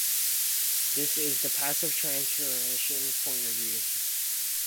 This is the passive transformation point of view.